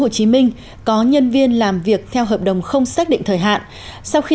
xin chào và hẹn gặp lại